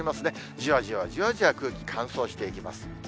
じわじわじわじわ空気乾燥していきます。